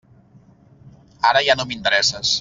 Ara ja no m'interesses.